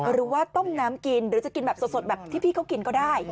หรือว่าต้มน้ำกินหรือจะกินแบบสดแบบที่พี่เขากินก็ได้